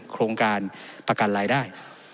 โครงการประกันรายได้